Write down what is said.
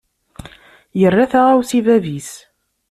Yerra taɣawsa i bab-is.